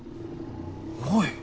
おい！